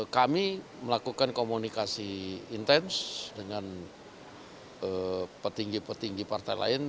kami melakukan komunikasi intens dengan petinggi petinggi partai lain